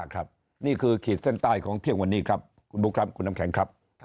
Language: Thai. ของเที่ยงวันนี้ครับคุณบุ๊คครับคุณน้ำแข็งครับ